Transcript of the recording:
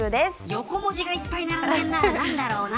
横文字がいっぱい並んでるな何だろうな。